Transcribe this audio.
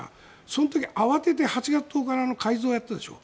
その時、慌てて８月１０日にあの改造をやったでしょ。